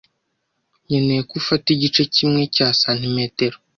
Nkeneye ko ufata igice kimwe cya santimetero.